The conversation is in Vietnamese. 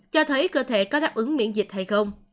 cho thấy cơ thể có đáp ứng miễn dịch hay không